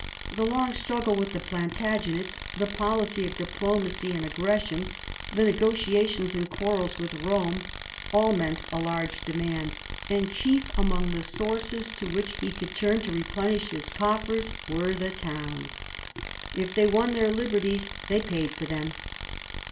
The long struggle with • the Plantagenets, the policy of diplomacy and aggression, the negotiations and quarrels with Eome, all meant a large demand ; and chief among the sources / 152 PHILIP AUGUSTUS chap. to which he could turn to replenish his coffers were the towns. If they won their liberties, they paid for them.